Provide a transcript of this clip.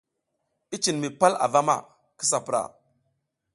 I cin mi pal avama, kisa pura.